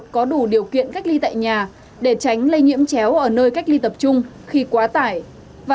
có đủ điều kiện khả năng để đạt được tổn lực